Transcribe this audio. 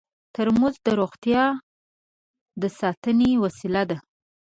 ترموز د روغتیا د ساتنې وسیله ده.